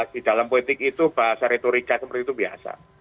di dalam politik itu bahasa retorika seperti itu biasa